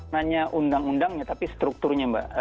hanya undang undangnya tapi strukturnya mbak